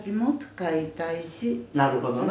なるほどな。